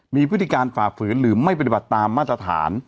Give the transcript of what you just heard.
มีพฤติการฝ่าฝืนหรือไม่ปฏิบัติตามมาตรฐาน